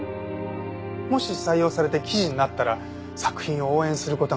もし採用されて記事になったら作品を応援する事ができる。